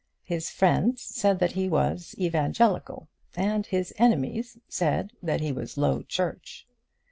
His friends said that he was evangelical, and his enemies said that he was Low Church.